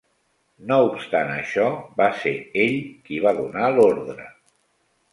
No obstant això, va ser ell qui va donar l'ordre.